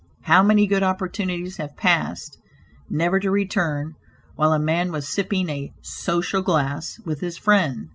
How many good opportunities have passed, never to return, while a man was sipping a "social glass," with his friend!